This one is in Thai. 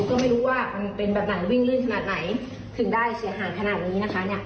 ก็ไม่รู้ว่ามันเป็นแบบไหนวิ่งลื่นขนาดไหนถึงได้เสียหายขนาดนี้นะคะเนี่ย